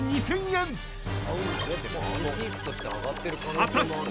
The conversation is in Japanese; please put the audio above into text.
［果たして？］